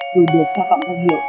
dù được cho cộng dân hiệu